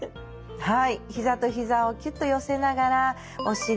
はい。